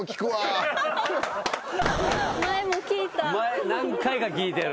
前も聞いた。